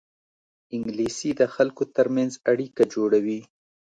انګلیسي د خلکو ترمنځ اړیکه جوړوي